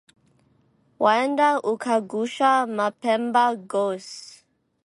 Waenda ukaghusha mapemba ghose.